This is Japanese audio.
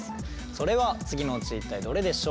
それは次のうち一体どれでしょう？